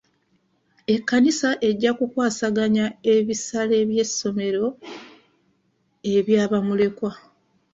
Ekkanisa ejja kukwasaganya ebisale by'essomero ebya bamulekwa.